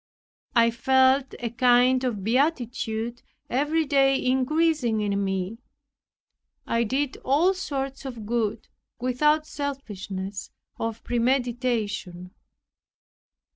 I felt a kind of beatitude every day increasing in me. I did all sorts of good, without selfishness or premeditation.